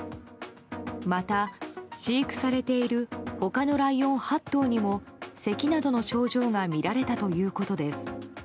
また、飼育されている他のライオン８頭にもせきなどの症状がみられたということです。